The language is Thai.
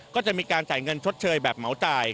ก็จะมีการจ่ายเงินชดเชยแบบเหมาจ่าย